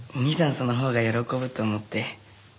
そのほうが喜ぶと思って。